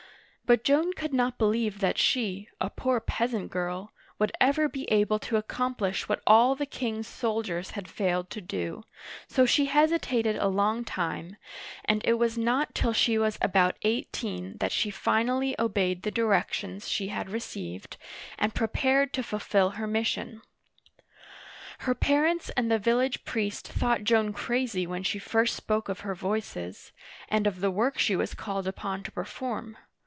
But Joan could not believe that she — a poor peasant girl — would ever be able to ac complish what all the king's soldiers had failed to do, so she hesitated a long time, and it was not till she was about eighteen that she finally obeyed the directions she had received, and prepared to fulfill her mission. Her parents and the village priest thought Joan crazy when she first spoke of her voices, and of the work she was called upon to perform.